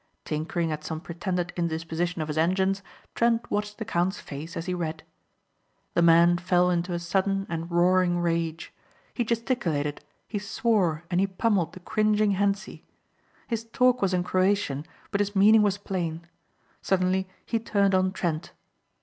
Tinkering at some pretended indisposition of his engines Trent watched the count's face as he read. The man fell into a sudden and roaring rage. He gesticulated, he swore and he pummelled the cringing Hentzi. His talk was in Croatian but his meaning was plain. Suddenly he turned on Trent.